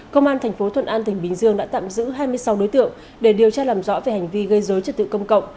công an tp thuận an tỉnh bình dương đã tạm giữ hai mươi sáu đối tượng để điều tra làm rõ về hành vi gây dối trật tự công cộng